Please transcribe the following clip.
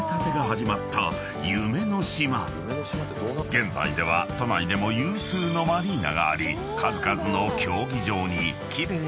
［現在では都内でも有数のマリーナがあり数々の競技場に奇麗な公園］